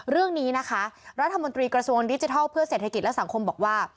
เรื่องนี้นะคะรัฐมนตรีกระทรวงดิจิทัลเพื่อเศรษฐกิจและสังคมบอกว่า